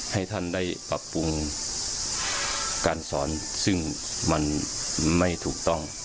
ให้ท่านได้ปรับปรุงการสอนซึ่งมันไม่ถูกต้อง